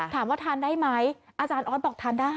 ถามว่าทานได้ไหมอาจารย์ออสบอกทานได้